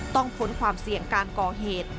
พ้นความเสี่ยงการก่อเหตุ